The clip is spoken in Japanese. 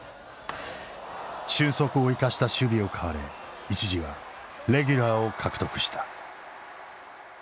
俊足を生かした守備を買われ一時はレギュラーを獲得した。